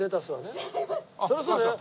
そりゃそうだね。